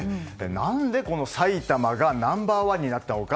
何で、さいたまがナンバー１になったのか。